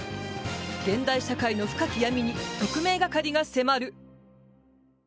現代社会の深き闇に特命係が迫る！